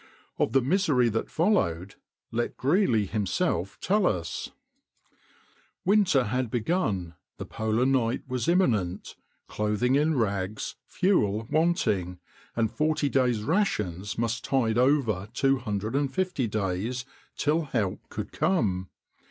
Of the misery that followed, let Greely himself tell us: Winter had begun, the polar night was imminent, clothing in rags, fuel wanting, and forty days' rations must tide over 250 days, till help could come.